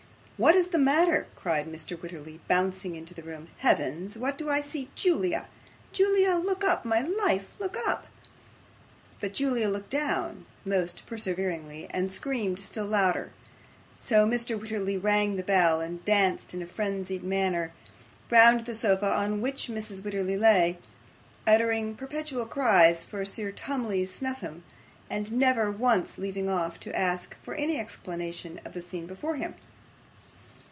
'What is the matter?' cried Mr. Wititterly, bouncing into the room. 'Heavens, what do I see? Julia! Julia! look up, my life, look up!' But Julia looked down most perseveringly, and screamed still louder; so Mr. Wititterly rang the bell, and danced in a frenzied manner round the sofa on which Mrs. Wititterly lay; uttering perpetual cries for Sir Tumley Snuffim, and never once leaving off to ask for any explanation of the scene before him.